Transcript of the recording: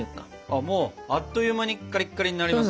あっもうあっという間にカリッカリになりましたね。